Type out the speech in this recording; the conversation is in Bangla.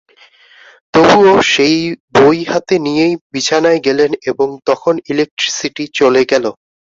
তবুও সেই বই হাতে নিয়েই বিছানায় গেলেন এবং তখন ইলেকট্রিসিটি চলে গেল।